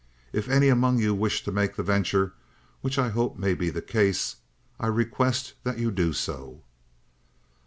If any among you wish to make the venture, which I hope may be the case, I request that you do so.